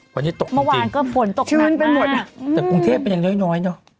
วันนี้ตกจริงชื้นไปหมดแต่กรุงเทพฯเป็นอย่างน้อยนะ